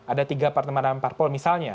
ada tiga pertemanan parpol misalnya